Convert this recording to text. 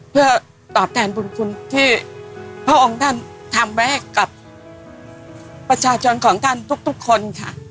เพื่อตอบแทนบุญคุณที่พ่อองค์ทำให้กับประชาชนของกันทุกคน